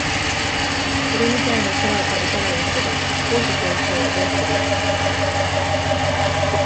鳥みたいに空を飛べたらいいけど高所恐怖症はどうする？